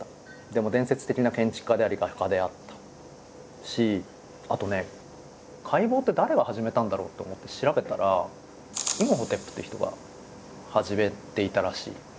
でも伝説的な建築家であり画家であったしあとね解剖って誰が始めたんだろうと思って調べたらイムホテプって人が始めていたらしい。